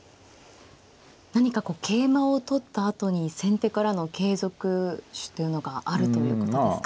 何かこう桂馬を取ったあとに先手からの継続手というのがあるということですか。